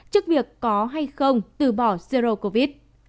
trước việc có hay không từ bỏ zero covid